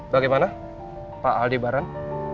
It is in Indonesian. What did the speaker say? bagaimana pak aldi baran